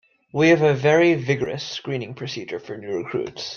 We have a very vigorous screening procedure for new recruits.